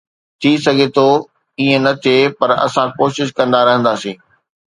ٿي سگهي ٿو ائين نه ٿئي، پر اسان ڪوشش ڪندا رهنداسين